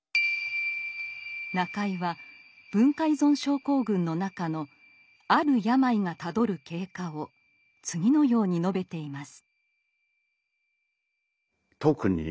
中井は文化依存症候群の中の「ある病」がたどる経過を次のように述べています。